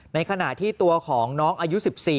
ในขณะที่ตัวของน้องอายุ๑๔